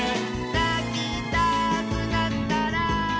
「なきたくなったら」